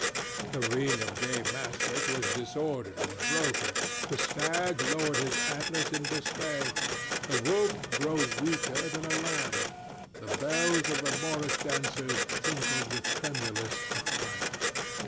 The ring of gay masquers was disordered and broken; the stag lowered his antlers in dismay; the wolf grew weaker than a lamb; the bells of the morrice dancers tinkled with tremulous affright.